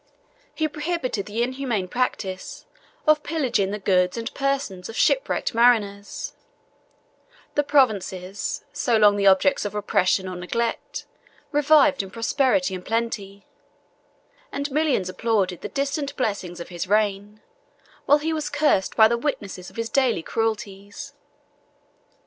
He prohibited the inhuman practice of pillaging the goods and persons of shipwrecked mariners; the provinces, so long the objects of oppression or neglect, revived in prosperity and plenty; and millions applauded the distant blessings of his reign, while he was cursed by the witnesses of his daily cruelties.